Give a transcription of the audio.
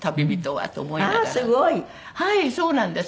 はいそうなんです。